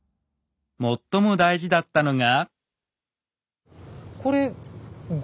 最も大事だったのが。